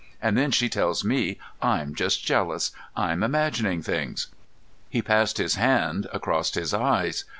And then she tells me I'm just jealous, I'm imagining things!" He passed his hand across his eyes.